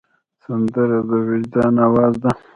سندره د وجدان آواز ده